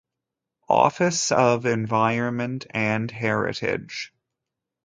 Office of Environment and Heritage.